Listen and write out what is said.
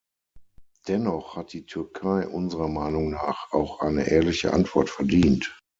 Dennoch hat die Türkei unserer Meinung nach auch eine ehrliche Antwort verdient.